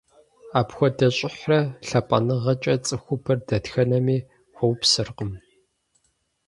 Апхуэдэ щӀыхьрэ лъапӀэныгъэкӀэ цӀыхубэр дэтхэнэми хуэупсэркъым.